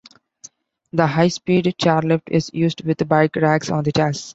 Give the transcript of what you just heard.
The high-speed chairlift is used with bike racks on the chairs.